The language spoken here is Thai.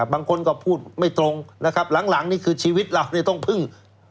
บางคนก็พูดไม่ตรงหลังนี่คือชีวิตเราต้องพึ่ง